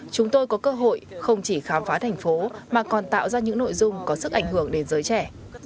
chúng tôi có cơ hội không chỉ khám phá thành phố mà còn tạo ra những nội dung có sức ảnh hưởng đến giới trẻ